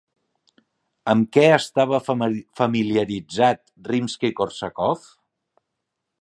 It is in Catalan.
Amb què estava familiaritzat Rimski-Kórsakov?